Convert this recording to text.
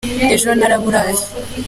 ejo naraburaye